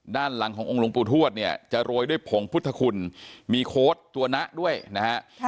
ด้านหลังขององค์หลวงปู่ทวดเนี่ยจะโรยด้วยผงพุทธคุณมีโค้ดตัวนะด้วยนะฮะ